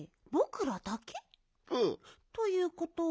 ということは。